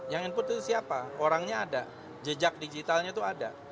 yang input itu siapa orangnya ada jejak digitalnya itu ada